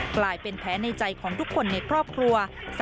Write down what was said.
กลายเป็นแผลในใจของทุกคนในครอบครัว